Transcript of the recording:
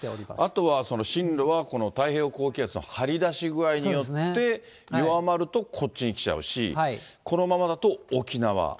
あとは進路はこの太平洋高気圧の張り出し具合によって、弱まるとこっちに来ちゃうし、このままだと沖縄。